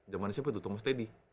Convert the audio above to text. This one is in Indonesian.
jamannya siapa itu tomo steady